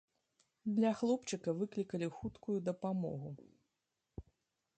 Для хлопчыка выклікалі хуткую дапамогу.